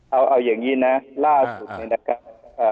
เอาอย่างนี้นะล่าสุดเนี่ยนะครับ